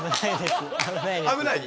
危ない？